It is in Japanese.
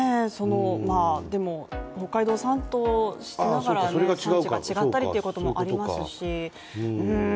でも、北海道産としながら産地が違ったりということもありますし。